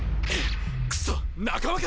クソっ仲間か！